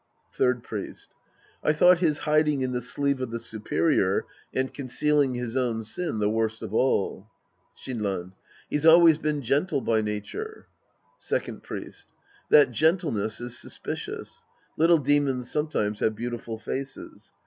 Third Priest. I thought his hiding in the sleeve of the superior and concealing his own sin the worst of all. Shinran. He's always been gentle by nature. Second Priest. That gentleness is suspicious. Little demons sometimes have beautiful faces.